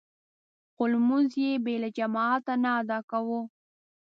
خو لمونځ يې بې له جماعته نه ادا کاوه.